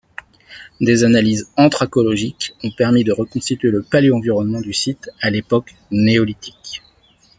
Des analyses anthracologiques ont permis de reconstituer le paléoenvironnement du site à l'époque néolithique.